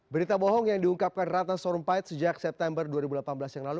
berita bohong yang diungkapkan ratna sorumpait sejak september dua ribu delapan belas yang lalu